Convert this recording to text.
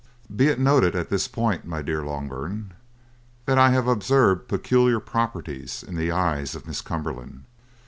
"Be it noted at this point, my dear Loughburne, that I have observed peculiar properties in the eyes of Miss Cumberland.